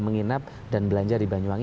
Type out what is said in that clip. menginap dan belanja di banyuwangi